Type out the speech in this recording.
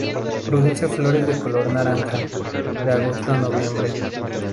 Produce flores de color naranja, de agosto a noviembre.